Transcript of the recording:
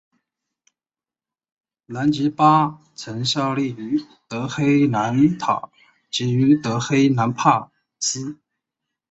兰吉巴曾效力于德黑兰塔吉于德黑兰帕斯。